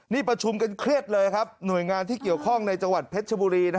นี่ประชุมกันเครียดเลยครับหน่วยงานที่เกี่ยวข้องในจังหวัดเพชรชบุรี